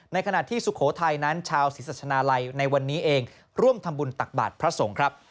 ในขณะที่สุโขไทยครับนั้นชาวศรีศัสชนาลัยในวันนี้เองร่วมทำบุญตักบาดพระทรง